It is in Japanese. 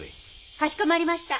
かしこまりました。